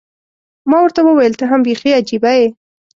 ما ورته وویل، ته هم بیخي عجيبه یې.